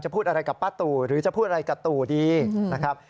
พูดอะไรกับป้าตู่หรือจะพูดอะไรกับตู่ดีนะครับ